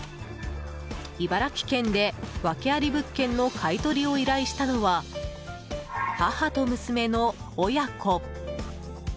茨城県でワケあり物件の買い取りを依頼したのは母と娘の親子。